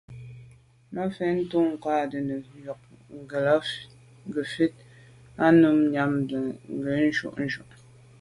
Mafentu nkâgtʉ̌n nə̀ ywǐd ngə̀fə̂l ì nù mbàŋ gə̀ jʉ́ jú.